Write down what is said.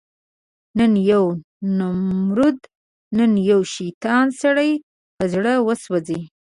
نن یو نمرود، نن یو شیطان، سړی په زړه وسوځي